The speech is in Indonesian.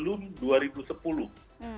yang diperoleh yang bersangkutan itu nilai pasar